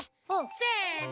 せの！